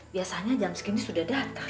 biasanya jam segini sudah datang